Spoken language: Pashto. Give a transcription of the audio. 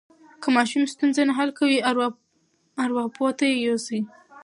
که ماشوم ستونزه نه حل کوي، ارواپوه ته یې یوسئ.